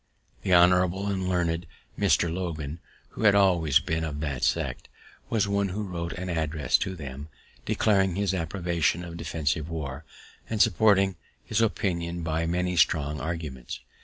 The honorable and learned Mr. Logan, who had always been of that sect, was one who wrote an address to them, declaring his approbation of defensive war, and supporting his opinion by many strong arguments.